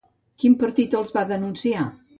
Quin partit els va denunciar?